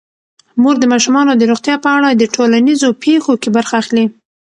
مور د ماشومانو د روغتیا په اړه د ټولنیزو پیښو کې برخه اخلي.